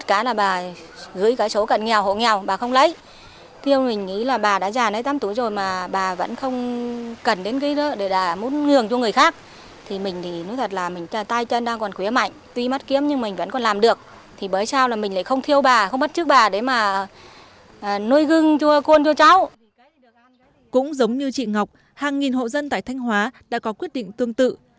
cũng giống như chị ngọc hàng nghìn hộ dân tại thanh hóa đã có quyết định tương tự